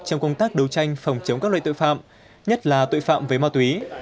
trong công tác đấu tranh phòng chống các loại tội phạm nhất là tội phạm với ma túy